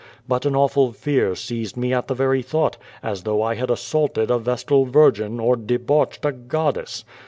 But an awful fear seized me at the very thought, as though I had assaulted a vestal virgin, or debauched a goddess.